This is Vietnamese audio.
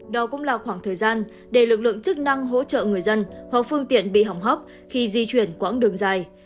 đó cũng là khoảng thời gian để lực lượng chức năng hỗ trợ người dân hoặc phương tiện bị hỏng hóc khi di chuyển quãng đường dài